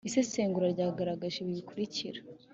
isesengura ryagaragaje ibi bikurikira